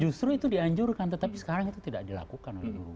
justru itu dianjurkan tetapi sekarang itu tidak dilakukan oleh guru